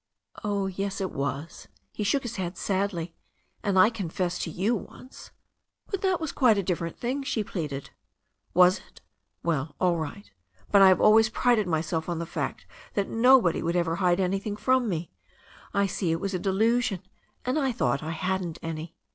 "Oh, yes, it was." He shook his head sadly. "And I con fessed to you once." yHE STORY OF A NEW ZEALAND RIVER 335 "That was quite a different thing," she pleaded. Was it? Well, all right. But I have always prided myself on the fact that nobody would ever hide anything from me. I see it was a delusion, and I thought I hadn't any."